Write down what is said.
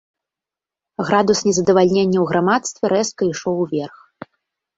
Градус незадавальнення ў грамадстве рэзка ішоў уверх.